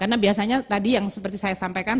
karena biasanya tadi yang seperti saya sampaikan